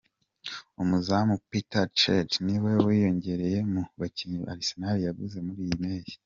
Umuzamu Petr Cech ni we wiyongereye mu bakinnyi Arsenal yaguze muri iyi mpeshyi.